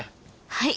はい。